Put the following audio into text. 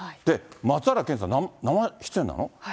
松平健さん、生出演なの？